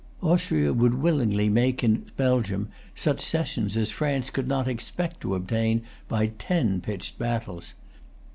Austria would willingly make in Belgium such cessions as France could not expect to obtain by ten pitched battles.